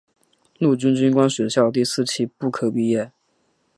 陆军军官学校第四期步科毕业。